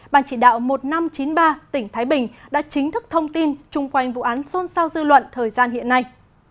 bàn chỉ đạo một nghìn năm trăm chín mươi ba tỉnh thái bình đã chính thức thông tin chung quanh vụ án xôn xao dư luận thời gian hiện nay